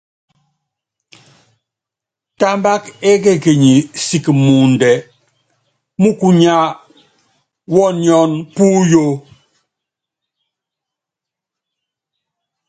Támbák ékekenyi siki muundɛ múkúnyá wɔ́ɔ́níɔ́n puyó.